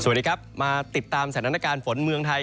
สวัสดีครับมาติดตามสถานการณ์ฝนเมืองไทย